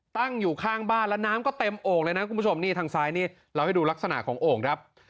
ตั้งอยู่ข้างบ้านแล้วน้ำก็เต็มโอ่งเลยนะคุณผู้ชมนี่ทางซ้ายนี่เราให้ดูลักษณะของโอ่งครับ